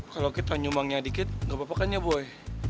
kalau kita nyumbangnya dikit gak apa apakan ya boy